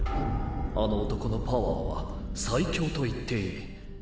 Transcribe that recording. あの男のパワーは最強と言っていい。